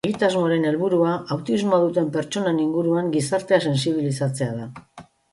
Egitasmoaren helburua autismoa duten pertsonen inguruan gizartea sentsibilizatzea da.